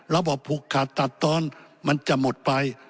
ระบบผูกขาดตัดตอนมันจะหมดไป